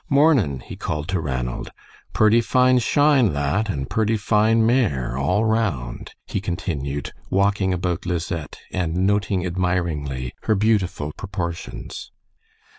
"Mornin'," he called to Ranald. "Purty fine shine, that, and purty fine mare, all round," he continued, walking about Lisette and noting admiringly her beautiful proportions.